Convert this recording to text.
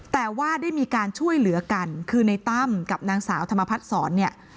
แต่ว่าได้มีการช่วยเหลือกันคือในตั้มกับนางสาวธรรมพัฒนศรเนี่ย